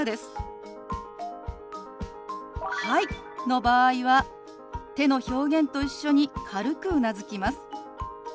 「はい」の場合は手の表現と一緒に軽くうなずきます。